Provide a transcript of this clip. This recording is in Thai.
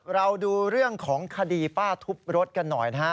เราดูเรื่องของคดีป้าทุบรถกันหน่อยนะฮะ